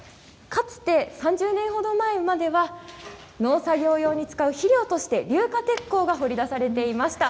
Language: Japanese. かつて３０年程前までは農作業用に使う肥料として硫化鉄鉱が掘り出されていました。